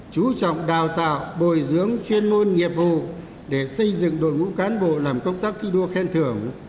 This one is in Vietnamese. chú trọng đào tạo bồi dưỡng chuyên môn nghiệp vụ để xây dựng đội ngũ cán bộ làm công tác thi đua khen thưởng